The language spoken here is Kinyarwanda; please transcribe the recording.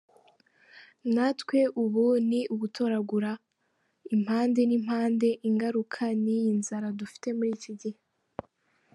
Natwe ubu ni ugutoragura impande n’impande ingaruka ni iyi nzara dufite muri ikigihe.